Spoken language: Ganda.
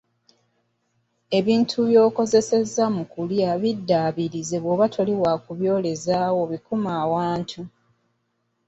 Ebintu byoba okozesezza mu kulya biddaabirize bwoba toli wa kubyolezaawo bikume awantu,